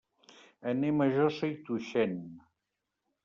Anem a Josa i Tuixén.